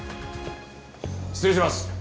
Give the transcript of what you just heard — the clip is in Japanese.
失礼します。